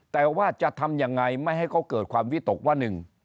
แต่ว่าจะทำยังไงไม่ให้เขาเกิดความวิตกว่าหนึ่ง